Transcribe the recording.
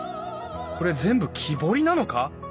これ全部木彫りなのか！？